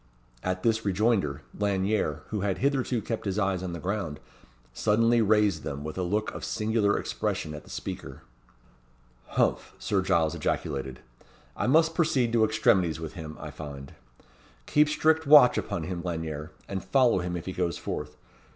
At this rejoinder, Lanyere, who had hitherto kept his eyes on the ground, suddenly raised them, with a look of singular expression at the speaker. "Humph!" Sir Giles ejaculated. "I must proceed to extremities with him, I find. Keep strict watch upon him, Lanyere; and follow him if he goes forth.